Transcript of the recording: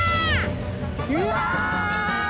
うわ！